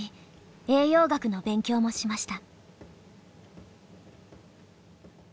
栄養学の勉強もしました。